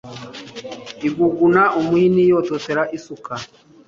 iguguna umuhini yototera isuka